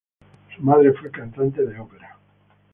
Su madre fue cantante de ópera.